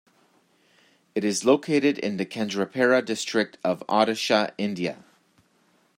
It is located in the Kendrapara district of Odisha, India.